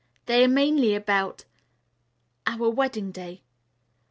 They are mainly about our wedding day.